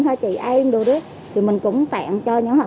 hay chị em đồ đó thì mình cũng tẹn cho những họ